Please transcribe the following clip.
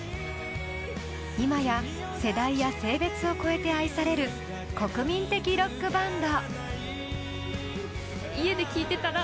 今や世代や性別を超えて愛される国民的ロックバンド。